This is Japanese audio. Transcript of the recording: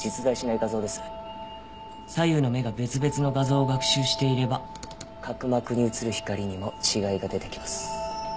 左右の目が別々の画像を学習していれば角膜に映る光にも違いが出てきます。